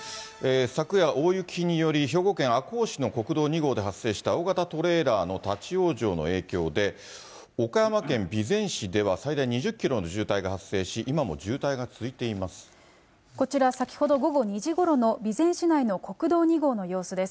昨夜、大雪により、兵庫県赤穂市の国道２号で発生した大型トレーラーの立往生の影響で、岡山県備前市では最大２０キロの渋滞が発生し、こちら、先ほど午後２時ごろの備前市内の国道２号の様子です。